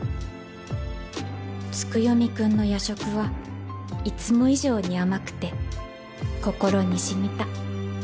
月読くんの夜食はいつも以上に甘くて心に染みた